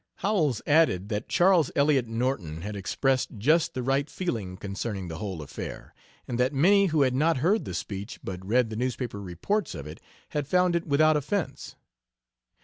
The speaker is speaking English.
Howells added that Charles Elliot Norton had expressed just the right feeling concerning the whole affair, and that many who had not heard the speech, but read the newspaper reports of it, had found it without offense.